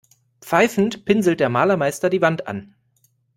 Pfeifend pinselt der Malermeister die Wand an.